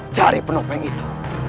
cari penopeng itu